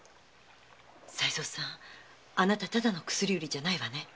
あなたただの薬売りじゃないわね